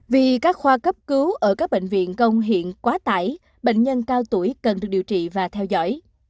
vì các khoa cấp cứu ở các bệnh viện công hiện quá tải bệnh nhân cao tuổi cần được điều trị và theo dõi